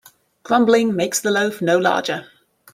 Grumbling makes the loaf no larger.